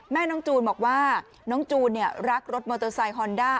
แม่น้องจูนบอกว่าน้องจูนรักรถมอเตอร์ไซคอนด้า